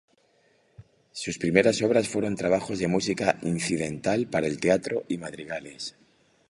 Sus primeras obras fueron trabajos de música incidental para el teatro y madrigales.